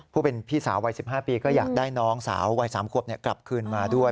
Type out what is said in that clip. พวกเป็นพี่สาววัยสิบห้าปีก็อยากได้น้องสาววัยสามควบกลับขึ้นมาด้วย